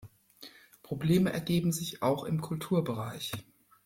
Probleme ergeben sich auch im Kulturbereich.